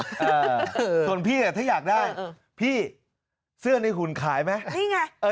อ่าส่วนพี่อ่ะถ้าอยากได้เออพี่เสื้อในหุ่นขายไหมนี่ไงเออ